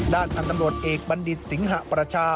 ด้านทางตำรวจเอกบัณฑิตฟิศิงหพลัชา